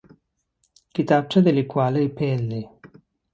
کتابچه د لیکوالۍ پیل دی